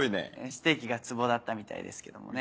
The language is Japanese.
ステーキがツボだったみたいですけどもね。